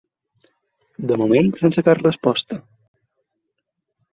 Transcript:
De moment, sense cap resposta.